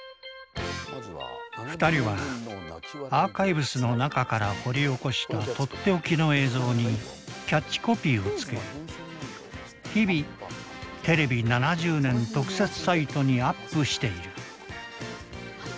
２人はアーカイブスの中から掘り起こしたとっておきの映像にキャッチコピーを付け日々テレビ７０年特設サイトにアップしている。